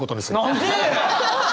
何で！？